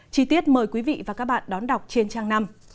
chí tiết mời quý vị và các bạn đón đọc trên trang năm